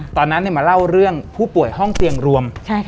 ตอนนั้นมาเล่าเรื่องผู้ป่วยห้องเตียงรวม